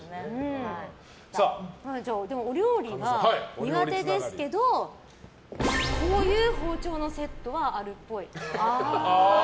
お料理が苦手ですけどこういう包丁のセットはあるっぽい。